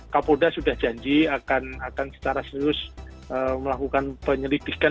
kak polda sudah janji akan secara serius melakukan penyelidikan